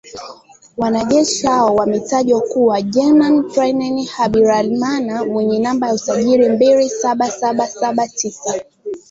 Wanajeshi hao wametajwa kuwa “Jean Pierre Habyarimana mwenye namba za usajili mbili saba saba saba tisa.